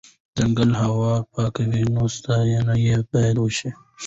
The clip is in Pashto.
ځنګل هوا پاکوي، نو ساتنه یې بایدوشي